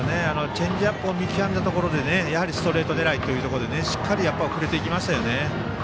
チェンジアップ見極めたところでストレート狙いということでしっかり振れましたよね。